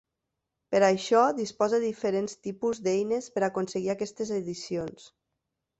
Per a això disposa de diferents tipus d'eines per aconseguir aquestes edicions.